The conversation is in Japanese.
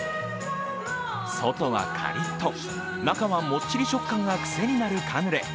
外はカリッと中はもっちり食感がくせになるカヌレ。